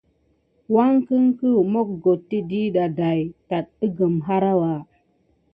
Wangeken moggoktə diɗa day tat əgəm harawa.